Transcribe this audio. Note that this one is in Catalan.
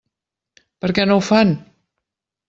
Per què no ho fan?